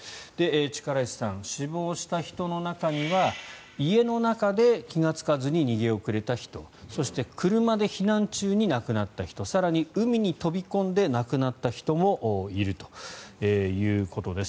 力石さん、死亡した人の中には家の中で気がつかずに逃げ遅れた人そして車で避難中に亡くなった人更に海に飛び込んで亡くなった人もいるということです。